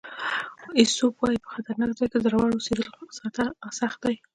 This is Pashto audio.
ایسوپ وایي په خطرناک ځای کې زړور اوسېدل سخت دي.